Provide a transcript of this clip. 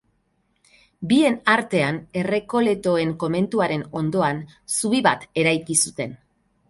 Bien artean, errekoletoen komentuaren ondoan, zubi bat eraiki zuten.